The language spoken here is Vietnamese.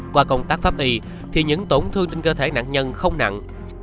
qua công tác pháp y thì những tổn thương trên cơ thể nạn nhân không nặng